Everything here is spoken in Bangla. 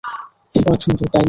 অনেক সুন্দর, তাই না?